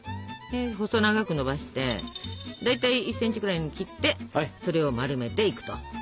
細長くのばしてだいたい１ｃｍぐらいに切ってそれを丸めていくと。